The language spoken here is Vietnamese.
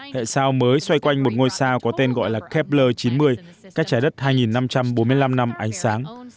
hệ sao mới xoay quanh một ngôi sao có tên gọi là kepler chín mươi cách trái đất hai năm trăm bốn mươi năm năm ánh sáng